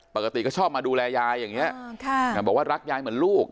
ปกติก็ชอบมาดูแลยายอย่างนี้บอกว่ารักยายเหมือนลูก